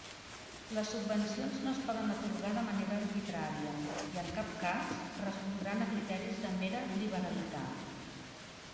Les subvencions no es poden atorgar de manera arbitrària i, en cap cas, respondran a criteris de mera liberalitat.